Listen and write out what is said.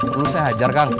perlu saya hajar kang